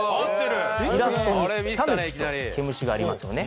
イラストにタヌキと毛虫がありますよね。